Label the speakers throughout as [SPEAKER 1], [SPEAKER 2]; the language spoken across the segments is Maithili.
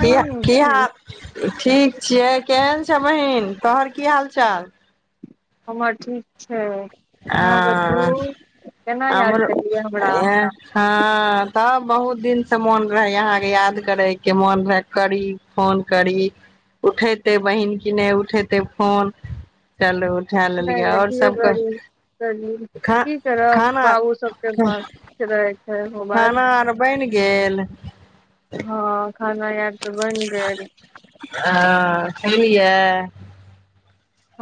[SPEAKER 1] बहिन
[SPEAKER 2] किया
[SPEAKER 1] छी
[SPEAKER 2] हाल [unintelligible] ठीक छियै केहन छ बहीन तोहर की हाल चाल
[SPEAKER 1] हमर ठीक छै अहाँ बतबू
[SPEAKER 2] आ
[SPEAKER 1] केना याद
[SPEAKER 2] आर
[SPEAKER 1] करलियै
[SPEAKER 2] [unintelligible]
[SPEAKER 1] हमरा
[SPEAKER 2] हँ तब बहुत दिन से मोन रहे अहाके याद करे के मोन रहे करी फोन करी उठेते बहिन कि नै उठेते फोन चलू उठा
[SPEAKER 1] नहि
[SPEAKER 2] लेलियै
[SPEAKER 1] नहि
[SPEAKER 2] और
[SPEAKER 1] ठीके
[SPEAKER 2] सभ कह
[SPEAKER 1] करी की करब बाबू सबके पास रहे छै मोबाइल
[SPEAKER 2] खाना आर बनि गेल
[SPEAKER 1] हँ खाना यार तऽ बनि गेल
[SPEAKER 2] आ खेलियै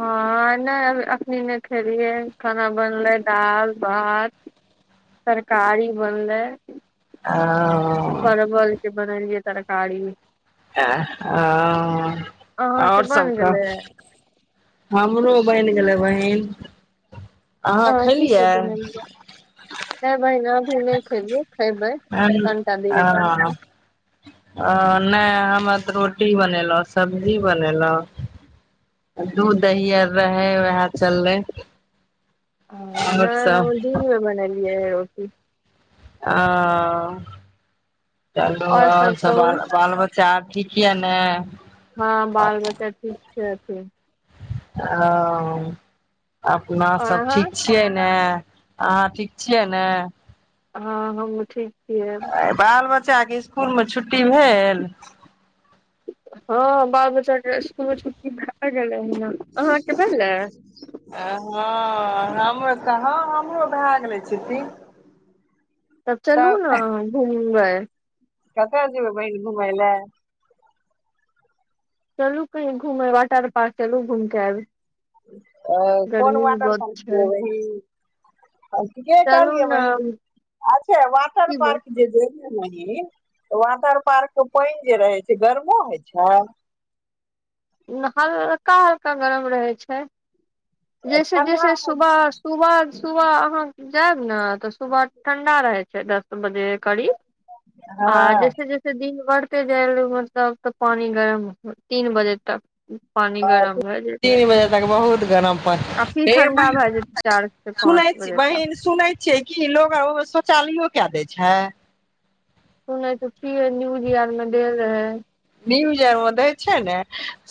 [SPEAKER 1] हँ नहि एखनि नहि खेलियै खाना बनलै दालि भात तरकारी बनलै
[SPEAKER 2] आ [unintelligible]
[SPEAKER 1] परवलके बनेलिये तरकारी अहाँके
[SPEAKER 2] और सब
[SPEAKER 1] बन गेलै
[SPEAKER 2] कह हमरो बनि गेलै बहिन हिन [unintelligible]
[SPEAKER 1] अहाँ की सब बनेलियै ए बहिन अभी नहि खेलियै खेबै
[SPEAKER 2] ह [unintelligible]
[SPEAKER 1] कनिटा देर से
[SPEAKER 2] ओ नहि त रोटी बनेलौ सब्जी बनेलौ दूध दही आर रहे वेहे चललै
[SPEAKER 1] आ नै
[SPEAKER 2] आओर सब
[SPEAKER 1] हम दिनमें बनेलियै रो कि [inaudible]
[SPEAKER 2] हँ चलू
[SPEAKER 1] आओर
[SPEAKER 2] ओर सब
[SPEAKER 1] कहू
[SPEAKER 2] ओर बाल बच्चा च ठीक ये ने
[SPEAKER 1] हँ बाल बच्चा ठीक छै
[SPEAKER 2] हँ अपना
[SPEAKER 1] आओर
[SPEAKER 2] सब
[SPEAKER 1] अहाँ
[SPEAKER 2] ठीक छियै ने अहां ठीक छियै ने
[SPEAKER 1] हँ हँ हमहूँ ठीक छियै
[SPEAKER 2] बाल ब बच्चा के स्कूलमे छुट्टी भेल
[SPEAKER 1] हँ बाल बच्चाके इकुलमे छुट्टी भे गेलै अहाँके भेललै
[SPEAKER 2] हँ हमरो तऽ हँ हमरो भै गेलै छुट्टी
[SPEAKER 1] तब चलू नै घूमबै ह-
[SPEAKER 2] कतय जेबै बहिन घुमय लै
[SPEAKER 1] चलु कही घुमे वाटर पार्क चलु घूमके एब
[SPEAKER 2] ओ कोन वाटर पार्क गेल
[SPEAKER 1] छै
[SPEAKER 2] रही [inaudible] ठीके
[SPEAKER 1] चलू
[SPEAKER 2] कहलियै
[SPEAKER 1] ने
[SPEAKER 2] बहीन अच्छा वाटर
[SPEAKER 1] की बोल
[SPEAKER 2] पार्क जे दे वाटर पार्क मे पानि जे रहै छै गरमो होइ छैइ
[SPEAKER 1] हल्का हल्का गरम रहै छैइ जैसे
[SPEAKER 2] ठंडा
[SPEAKER 1] जैसे
[SPEAKER 2] होइ
[SPEAKER 1] सुबह सुबह सुबह अहाँ जायब ने तऽ सुबह ठंडा रहे छै दस बजे करीब
[SPEAKER 2] छै
[SPEAKER 1] आ
[SPEAKER 2] हँ
[SPEAKER 1] जैसे जैसे दिन घरते जाइल मतलब तऽ पानि गरम तीन बजे तक पानी गरम भए जेतै
[SPEAKER 2] तीन बजे तक बहुत गरम
[SPEAKER 1] आ फिर
[SPEAKER 2] हे
[SPEAKER 1] ठंडा
[SPEAKER 2] बहिन
[SPEAKER 1] भए जेतै चार से
[SPEAKER 2] सुनै
[SPEAKER 1] पाँच
[SPEAKER 2] छीयै
[SPEAKER 1] बजे तक
[SPEAKER 2] बहिन सुनै छियै कि लोग ओ मे शौचालयो कए दै छैइ छै
[SPEAKER 1] सुनै त छीयै न्यूज आर मे देल रहेै ह
[SPEAKER 2] न्यूज आर मे दै छै ने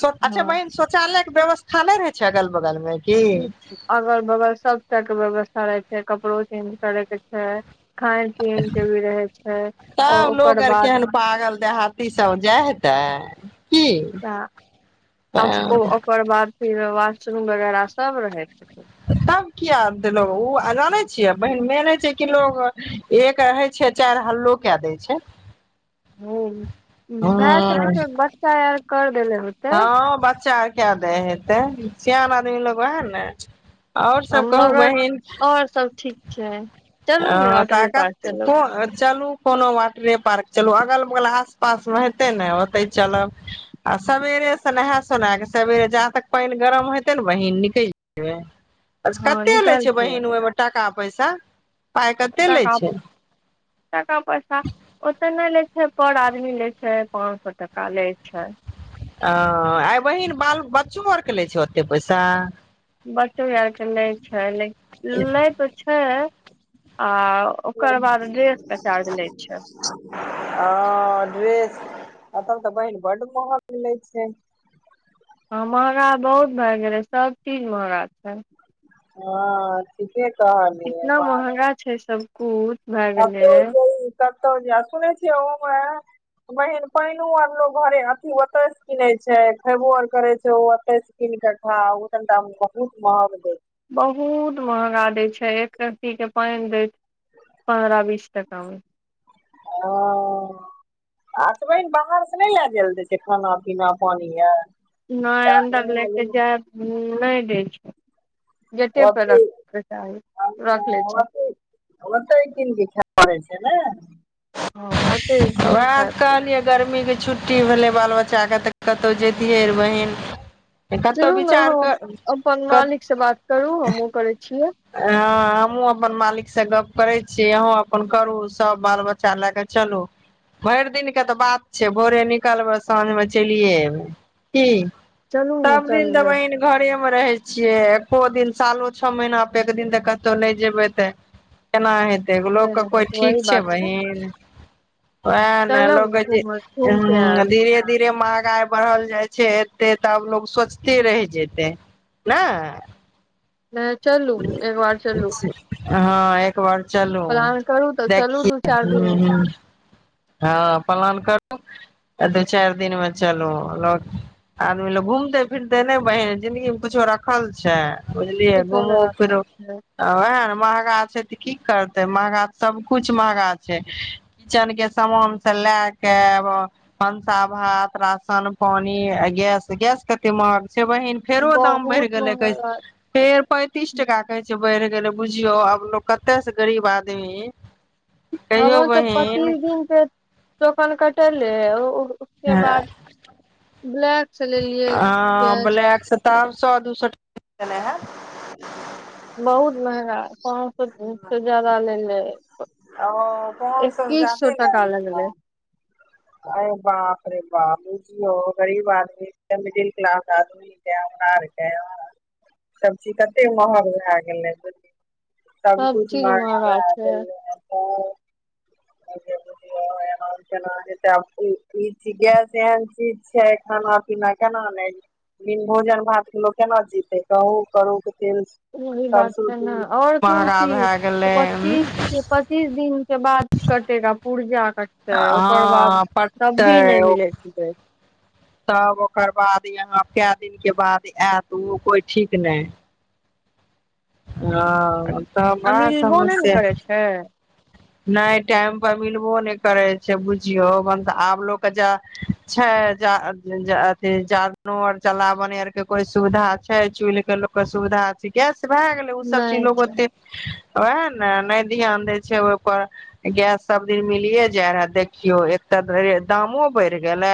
[SPEAKER 2] अच्छा
[SPEAKER 1] हँ
[SPEAKER 2] बहिन शोचालय व्यस्था नहि रहै छै अगल बगल में
[SPEAKER 1] ह अगल बगल सबटा के व्यवस् करै छै कपड़ो चेंज करैके छै खान पीन के भी रहे छै ओ
[SPEAKER 2] तब लोग
[SPEAKER 1] ओकर
[SPEAKER 2] आर
[SPEAKER 1] बाद
[SPEAKER 2] केहन पागल देहाती सभ जाय हेतै की
[SPEAKER 1] तऽ आउसको ओकर बाद फिर वाशरूम वगैरा
[SPEAKER 2] तब कीया देलौं ओ आ जानै छियै बहिन मेन होइ छैइ कि लोग एक रहै छैइ चार हल्लो कए दै छैइ
[SPEAKER 1] हूं भए सकैछइ बच्चा आर कर देेले होतै
[SPEAKER 2] कय दै हेतै सियान आदमी लोग वहे ना ओर सब कहु
[SPEAKER 1] मगर
[SPEAKER 2] बहिन
[SPEAKER 1] और सब ठीक छै चलू ने वाटरे
[SPEAKER 2] तऽ
[SPEAKER 1] पार्क चलब
[SPEAKER 2] चलु कोनो वाटरे पार्क चलु गल बला [unintelligible] पास मे हेतै ने ओतै चलब आ सेबरे से नहा सोना क सबेरे जहाँ तक पानि गरम हेतै न बहीन निकल जेबै
[SPEAKER 1] हँ
[SPEAKER 2] कत्ते लै छैइ
[SPEAKER 1] निकलतियै
[SPEAKER 2] बहीन ओहिमे टाका पैसा पाइ कते लै छैइ
[SPEAKER 1] टाका पैसा ओते नई लै पर आदमी लै छैय पाँच सए टका लै छैय
[SPEAKER 2] ह आइ बहिन बाल बच्चो आरके लै छै ओते पैसा
[SPEAKER 1] बच्चो आरके नहि छै नहि तो छै आ ओकर बाद ड्रेस के चार्ज लै छै
[SPEAKER 2] ह ड्रेस एतब तऽ बहिन बड महग मिलै छै
[SPEAKER 1] हँ महँगा बहुत भए गेलै सभचीज महँगा छै
[SPEAKER 2] हँथ
[SPEAKER 1] इतना महगा छै सबकिछु
[SPEAKER 2] आ ौ जे सुन छिय ओ मे बहिन पानो आर लोग घरे अथी ओते से किन छै खेबो आर करे छै ओ ओते से कीन के खा ओ कनिटा बहुत महग दे छै
[SPEAKER 1] बहुत महँगा दै छै एक कतीके पानि दैत पन्द्रह बीस टाकामे
[SPEAKER 2] ह आ तब बाहर से नहि लए जाय ल द छै खाना पीना पानि आ
[SPEAKER 1] न अन्न्दार ले जा नहि दै छै गेटे
[SPEAKER 2] ओ ओ
[SPEAKER 1] पे रखके चाही रख ले छै
[SPEAKER 2] ओरा तऽन ख कर छै हना
[SPEAKER 1] हँ ओते
[SPEAKER 2] रात
[SPEAKER 1] खाय पड़ै छै
[SPEAKER 2] कहलियै गर्मीे छुट्टी छुट्टी भेलै बाल बच्चाके तऽ कतहु जतिियै बहिन कतहु
[SPEAKER 1] चलू ने
[SPEAKER 2] विचार
[SPEAKER 1] अह
[SPEAKER 2] कर
[SPEAKER 1] अपन
[SPEAKER 2] कत
[SPEAKER 1] मालिक से बात कर करू हमहुँ करै छियै
[SPEAKER 2] हमहुँ अपन मालिक से गप करै छीियै अहॅं अपन करु सब बाल बच्चा लए क चलु भरि दििन के तऽ बात छै भोरे निकलबै साँझ मे चलियए एबै की
[SPEAKER 1] चलू ने
[SPEAKER 2] सब दिन
[SPEAKER 1] चलबै
[SPEAKER 2] दबाइन घरे रहै छियै छ दिन सालो छओ महीना परे एक दिन तऽ कतहु नहि जेबे ते केना हेत तऽ लोकके कोइ ठीक
[SPEAKER 1] वही
[SPEAKER 2] छै
[SPEAKER 1] बात
[SPEAKER 2] बहिीन ओएह ने
[SPEAKER 1] चलब
[SPEAKER 2] लोक जे
[SPEAKER 1] घूम घूम के आयब
[SPEAKER 2] धीरे धीरे ए महगाइ बढ़ल जाइ छै एते तब लोग सोचते रहि जेतै ने
[SPEAKER 1] नहि चलू एक बार चलू
[SPEAKER 2] हँ एक एक बार चलू
[SPEAKER 1] प्लान करू तऽ चलू
[SPEAKER 2] देखि
[SPEAKER 1] दू चारि दिन मे
[SPEAKER 2] हँ पलान कर दू चारि दिन मे चलू ल आदमी ल घूमते फिरते नहि बहन जिन्दगी मे कछो रखल छै बुझलिय
[SPEAKER 1] कुछो नहि
[SPEAKER 2] घुमो फिरो
[SPEAKER 1] राखल छै
[SPEAKER 2] त महगा छै की करते महगा सब कुछ महगा छै किचेन के समान से लए के भनसा भात राशन पानि गैस गैस कते महग से बहिन फेरो दाम बढ़ि
[SPEAKER 1] बहुत
[SPEAKER 2] गेलै कहै
[SPEAKER 1] महगा
[SPEAKER 2] फेर तीस टा कहै छै बढ़ि गेलै बुझियौ आब लोग कते से गरीब आदमी कहियौ
[SPEAKER 1] हमर त
[SPEAKER 2] बहिन
[SPEAKER 1] पच्चीस दिन के टोकन कटेलै उसके बाद ब्लैक से लेलियै
[SPEAKER 2] आ
[SPEAKER 1] गैस
[SPEAKER 2] ब्लैक से तब सए दू [unintelligible] सए टै है
[SPEAKER 1] बहुत मेहेंगा पाच सो स ज्यादा ललै [unintelligible]
[SPEAKER 2] ओ कोन सब ज्यादे ले
[SPEAKER 1] टका
[SPEAKER 2] लेलऊ
[SPEAKER 1] लगले
[SPEAKER 2] अरे बाप रे बाप बुझियौ गरीब आदमी के मिडिल क्लास आदमीक हमारा आरके सब चीज कते महग भए गेले
[SPEAKER 1] सब
[SPEAKER 2] सबकुछ
[SPEAKER 1] चीज
[SPEAKER 2] महंगा
[SPEAKER 1] छै
[SPEAKER 2] भे गेलै ओ [unintelligible] तब ईज गैस एहन चीज छै खाना पीना केना नहि भोजन भात के लोक केना जीते कहू करू तेल
[SPEAKER 1] वही बात
[SPEAKER 2] सरसो
[SPEAKER 1] छै ने
[SPEAKER 2] तेल
[SPEAKER 1] ओर कोन
[SPEAKER 2] महगा भए
[SPEAKER 1] चीज
[SPEAKER 2] गेलै उं
[SPEAKER 1] पच्चीस पच्चीस दिनक के बाद कटेगा पुर्जा [unintelligible] ओकर बाद
[SPEAKER 2] हँ
[SPEAKER 1] त भी नहि
[SPEAKER 2] पटतै ओ
[SPEAKER 1] मिलैतै
[SPEAKER 2] तब ओकर बाद यहाँ कए दिनके बाद आयत ओ कोइ ठीक नहि हँ त
[SPEAKER 1] आ
[SPEAKER 2] बड़ा
[SPEAKER 1] मिलबो नहि ने
[SPEAKER 2] समस्या
[SPEAKER 1] करै छै
[SPEAKER 2] नहि टाइम पर मिलबो नहि करे छै बुझियौ मन त आब लोक के जा छै जा जा अथि जरनो आर जलावन आर के कोइ सुविधा छै चूलहि के लोक के सुविधा छै कि भए गेलै ओ सब चीज
[SPEAKER 1] नहि
[SPEAKER 2] लोग ओते ओएह ने नहि ध्यान दै छै पर गैस सब दिन मिलिे जाय रहए देखियो एकत दामो बढ़ गेलै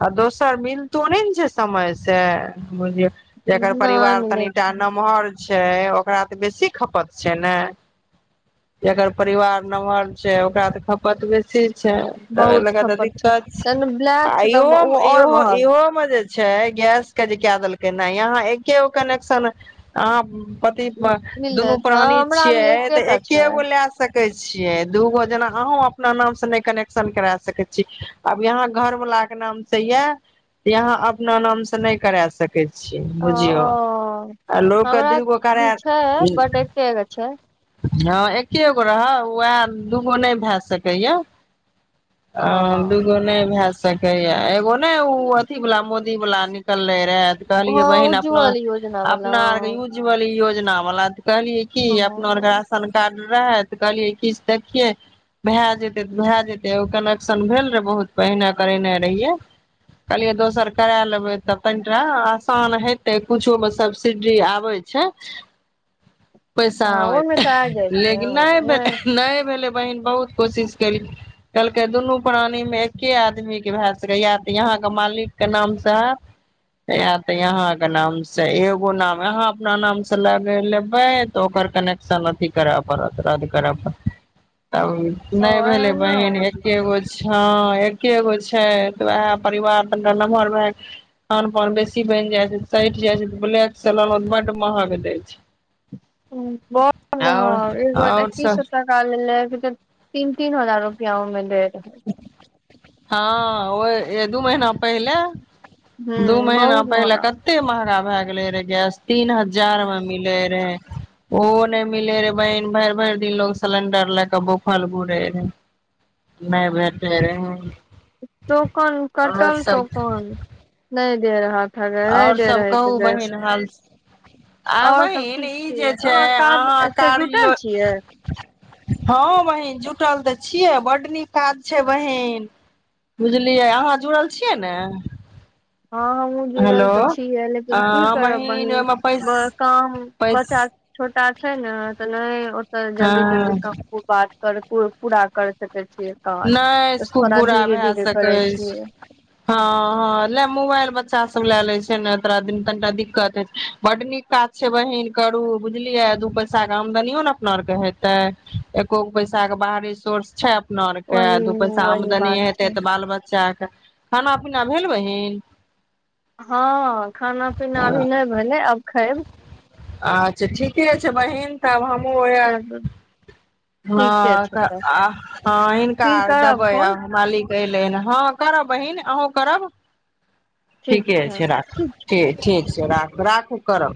[SPEAKER 2] आ दोसर मिलतो नहि ने छै समय से बुझियौ जेकर
[SPEAKER 1] नहि
[SPEAKER 2] परिवार
[SPEAKER 1] मिलै
[SPEAKER 2] तनिटा
[SPEAKER 1] छै
[SPEAKER 2] नमहर छै ओकरा त बेसी खपत छै ने एकर परिवार नमहर छै ओकरा त खपत बेसी छै तबई
[SPEAKER 1] बहुत
[SPEAKER 2] ल क त
[SPEAKER 1] खपत
[SPEAKER 2] दिक्कत छै
[SPEAKER 1] तहन ब्लैक
[SPEAKER 2] आ
[SPEAKER 1] छै तऽ
[SPEAKER 2] इहो
[SPEAKER 1] ओ और
[SPEAKER 2] इहो
[SPEAKER 1] महग
[SPEAKER 2] इहो मे जे छै गैस के जे के देलकै ने यहाँ एकेगो कनेक्शन अहाँ पति
[SPEAKER 1] मिलले
[SPEAKER 2] दुनू
[SPEAKER 1] तऽ
[SPEAKER 2] प्राणी
[SPEAKER 1] हमरा भी
[SPEAKER 2] छिये त
[SPEAKER 1] एकेटा छै
[SPEAKER 2] एकेगो ले सक छिये दूगो जेना अहूं अपना नाम से नहि कनेक्शन करा सके छी आब यहाँ घर वाला के नाम से या यहाअपना नाम से नहि करा सक सै छियै
[SPEAKER 1] ओ
[SPEAKER 2] बुझियौ आ लोकके
[SPEAKER 1] हमरा
[SPEAKER 2] दू गो कराय
[SPEAKER 1] भी छै बट एके गो छै
[SPEAKER 2] हँ एके गो रहउ उहै दूगो नहि भए सकैए आ
[SPEAKER 1] ओ
[SPEAKER 2] दूगु ने भे सकै या एगो ने ओ अथी वाला मोदी वाला नुकलइ रे
[SPEAKER 1] हँ
[SPEAKER 2] कहलियौ बहिन अपना
[SPEAKER 1] उज्ज्वल योजना वला
[SPEAKER 2] अपना आर अर के युजिबल न [unintelligible] कहलियै की
[SPEAKER 1] हँ
[SPEAKER 2] अपना आरके राशन कार्ड रहैत कहलियै किछु देखियै भए जेतै तऽ भए जेतै एगो कनेक्शन भेल रहै बहुत पहिने करेने रहियै कहलियै दोसर करा लेबै तऽ कनिटा आसान हेतै कुछोमे सब्सिडी आबै छै पैसा
[SPEAKER 1] हँ ओहिमे
[SPEAKER 2] आबइ
[SPEAKER 1] तऽ आ जाइ छै
[SPEAKER 2] लेकिन नहि
[SPEAKER 1] हँ
[SPEAKER 2] नहि भेलै बहिन बहुत कोशिश केल कहलकै दुनू प्राणी मे एके आदमी के भए सकैयए तऽ अहां के मालिक के नाम स हतै या त अहां के नाम से एगो नाम यहाँ अपन नाम से लग लेबे तऽ ओकर कनेक्शन अथी करे पड़त रह कराब तब
[SPEAKER 1] ओ
[SPEAKER 2] नहि भेलै
[SPEAKER 1] एना
[SPEAKER 2] बहिन
[SPEAKER 1] बोलही
[SPEAKER 2] एकेगो हँ एके गो छै तऽ उएह परिवार तनिटा नमहर भए कऽ खान पान बेसी बनि जाइ छै सठि जाइ छै ब्लैक से लेलहुँ तऽ बड्ड महग दै छै
[SPEAKER 1] हं बड़
[SPEAKER 2] आओर
[SPEAKER 1] महग
[SPEAKER 2] आओर
[SPEAKER 1] एक्किस
[SPEAKER 2] सब
[SPEAKER 1] सॅ टॉका लेलक [unintelligible] तीन तीन हजार रुपआोमें देत [inaudible]
[SPEAKER 2] हँ ओ ए दू महिना पहिले दू
[SPEAKER 1] हूँ
[SPEAKER 2] महिना
[SPEAKER 1] बहुत
[SPEAKER 2] पहिले
[SPEAKER 1] महगा
[SPEAKER 2] कते महंगा भए गेले रहे गैस तीन हजार मे मिलै रेहे ओहो नहि मिलै रहे बहिन भरि भरि दिन लोग सिलेंडर लएके भूखल घुरै रेहे नहि भेटलै रेहे
[SPEAKER 1] टोकन कटल टोकन नहि दे रहा
[SPEAKER 2] और सब कहू बहिन हाल आ
[SPEAKER 1] और सब
[SPEAKER 2] बहिन
[SPEAKER 1] ठीक
[SPEAKER 2] ई जे
[SPEAKER 1] छियै
[SPEAKER 2] छै
[SPEAKER 1] अहाँ काज
[SPEAKER 2] अहाँ
[SPEAKER 1] से
[SPEAKER 2] कार्य
[SPEAKER 1] जुटल छियै
[SPEAKER 2] हँ बहिन जुटल तऽ छियै बड्ड नीक काज छै बहिन बुझलियै अहाँ जुड़ल छियै ने
[SPEAKER 1] हँ हमहुँ जुड़ल
[SPEAKER 2] हेलो
[SPEAKER 1] तऽ छीयै लेकिन की
[SPEAKER 2] हँ
[SPEAKER 1] करब बहिन
[SPEAKER 2] ओहिमे पैस
[SPEAKER 1] काम बच्चा
[SPEAKER 2] पैस
[SPEAKER 1] छोटा छै न त नहि त जल्दी जल्दी
[SPEAKER 2] हँ
[SPEAKER 1] कप बात कर प पूरा करैत हैतए
[SPEAKER 2] नहि खूब बुरा भए
[SPEAKER 1] धीरे
[SPEAKER 2] सकै
[SPEAKER 1] करै
[SPEAKER 2] छै
[SPEAKER 1] छियै
[SPEAKER 2] हँ हँ ल मोबाइल बच्चा सब ले ले छै ने तोरा दिन कनीटा दिक्कत हे छै बड नीक काज छै बहिन करू बुझलिये दू पैसा के आमदनियों ने अपना आरके हेतै एकोगो पैसा के बाहरी सोर्स छै अपना के
[SPEAKER 1] वही
[SPEAKER 2] दू पैसा
[SPEAKER 1] वही
[SPEAKER 2] आमदनी
[SPEAKER 1] बात
[SPEAKER 2] हेतै
[SPEAKER 1] छै
[SPEAKER 2] तऽ बाल बच्चा खाना पीना भेल बहीन
[SPEAKER 1] हँ खाना पीना अभी नहि भेलै अब
[SPEAKER 2] अच्छा ठीके छै बहिन तब हम ओ ए
[SPEAKER 1] तब, ठीके छै
[SPEAKER 2] हँ
[SPEAKER 1] तऽ
[SPEAKER 2] हँ हिनका
[SPEAKER 1] फिर करब
[SPEAKER 2] देबै
[SPEAKER 1] फोन
[SPEAKER 2] मालिक देय लेल हँ करब बहिन अहूँ करब
[SPEAKER 1] ठीक
[SPEAKER 2] ठीके छै राख
[SPEAKER 1] ठीक
[SPEAKER 2] ठीक राख राखू करब